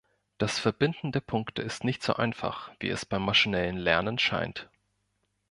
Das Verbinden der Punkte ist nicht so einfach, wie es beim maschinellen Lernen scheint.